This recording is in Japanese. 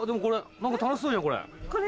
何か楽しそうじゃんこれ。